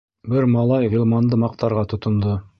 Бер малай Ғилманды маҡтарға тотондо.